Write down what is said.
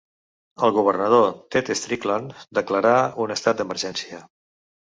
El governador Ted Strickland declarà un estat d'emergència.